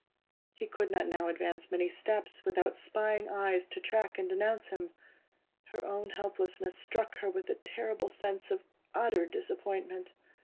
He could not now advance many steps, without spying eyes to track and denounce him. Her own helplessness struck her with the terrible sense of utter disappointment.